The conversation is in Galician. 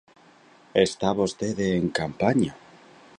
Está vostede en campaña.